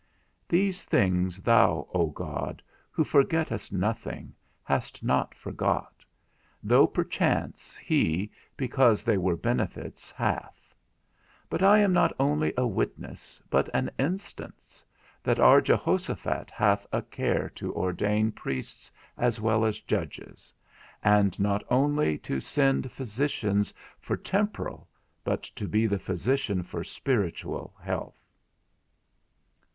These things thou, O God, who forgettest nothing, hast not forgot, though perchance he, because they were benefits, hath; but I am not only a witness, but an instance, that our Jehoshaphat hath a care to ordain priests, as well as judges: and not only to send physicians for temporal but to be the physician for spiritual health.